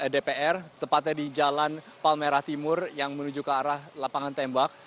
dpr tepatnya di jalan palmerah timur yang menuju ke arah lapangan tembak